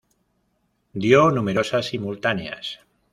Dio numerosas simultáneas.